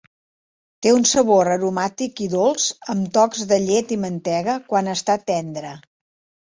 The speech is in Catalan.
Té un sabor aromàtic i dolç amb tocs de llet i mantega quan està tendre.